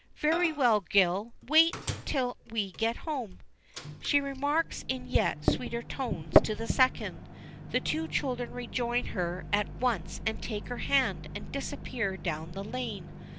"Very well, Gil, wait till we get home!" she remarks in yet sweeter tones to the second. The two children rejoin her at once and take her hand, and disappear down the lane.